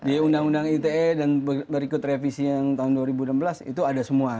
di undang undang ite dan berikut revisi yang tahun dua ribu enam belas itu ada semua